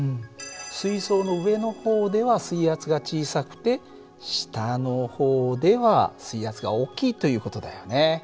水槽の上の方では水圧が小さくて下の方では水圧が大きいという事だよね。